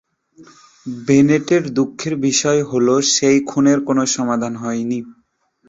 বেনেটের দুঃখের বিষয় হল, সেই খুনের কোনো সমাধান হয়নি।